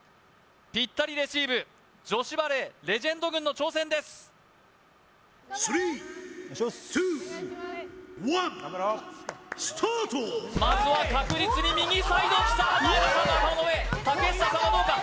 ぴったりレシーブ女子バレーレジェンド軍の挑戦ですまずは確実に右サイドきた前田さんの頭の上竹下さんはどうか？